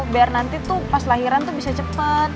biar nanti tuh pas lahiran bisa cepet